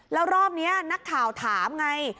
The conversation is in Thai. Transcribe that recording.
แล้วรอบนี้นักข่าวถามไง